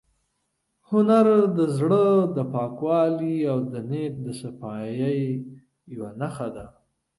هنر د زړه د پاکوالي او د نیت د صفایۍ یوه نښه ده.